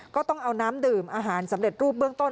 ก็ต้องเอาน้ำดื่มอาหารสำเร็จรูปเบื้องต้น